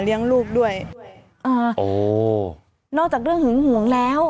ลูกด้วยอ่าโอ้นอกจากเรื่องหึงหวงแล้ว